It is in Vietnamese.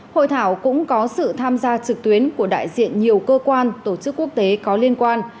hội thảo cũng có sự tham gia trực tuyến của đại diện nhiều cơ quan tổ chức quốc tế có liên quan